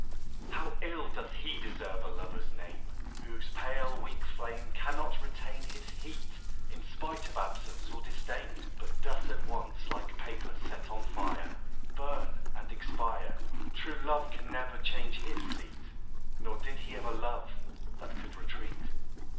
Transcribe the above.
HOW ill doth lie deserve a Lover's name Whose pale weak flame Cannot retain His heat, in spite of absence or disdain ; But doth at once, like paper set on fire, Burn and expire ! True love can never change his seat ; Nor did he ever love that can retreat.